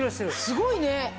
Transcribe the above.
すごいね！